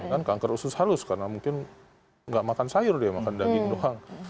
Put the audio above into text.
kan kanker usus halus karena mungkin nggak makan sayur dia makan daging doang